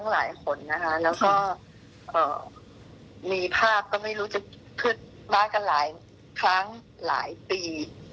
แล้วก็มีภาพก็ไม่รู้จะคือมากันหลายครั้งหลายปี